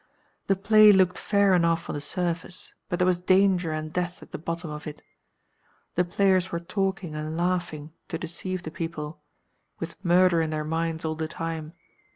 The play looked fair enough on the surface; but there was danger and death at the bottom of it. The players were talking and laughing to deceive the people with murder in their minds all the time.